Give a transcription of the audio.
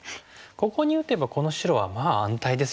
ここに打てばこの白はまあ安泰ですよね。